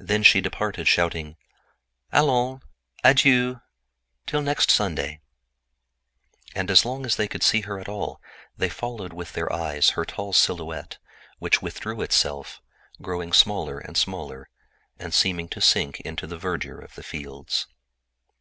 Then she departed, shouting: "Allons, adieu! Till next Sunday!" And as long as they could see her at all, they followed with their eyes her tall silhouette, which faded, growing smaller and smaller, seeming to sink into the verdure of the fields.